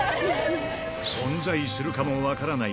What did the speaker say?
存在するかも分からない